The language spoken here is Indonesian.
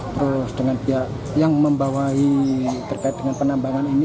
terus dengan pihak yang membawahi terkait dengan penambangan ini